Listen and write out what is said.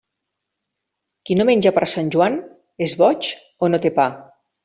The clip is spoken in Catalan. Qui no menja per Sant Joan, és boig o no té pa.